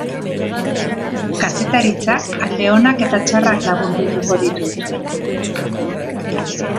Kazetaritzak alde onak eta txarrak laburbilduko ditut.